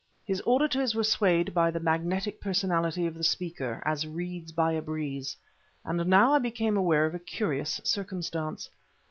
His auditors were swayed by the magnetic personality of the speaker, as reeds by a breeze; and now I became aware of a curious circumstance.